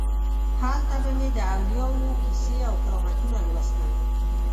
هلته به مې د اولیاو کیسې او کرامتونه لوستل.